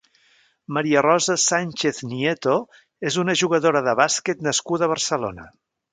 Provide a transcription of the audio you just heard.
Maria Rosa Sánchez Nieto és una jugadora de bàsquet nascuda a Barcelona.